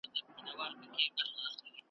بیا د ده پر ځای د بل حریص نوبت وي `